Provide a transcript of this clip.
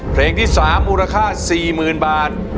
เพลงที่๓มูลค่า๔๐๐๐บาท